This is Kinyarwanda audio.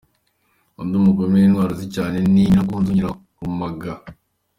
Undi mugore w’intwari uzwi cyane ni Nyiraruganzu Nyirarumaga.